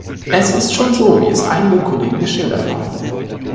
Es ist schon so, wie es einige Kollegen geschildert haben.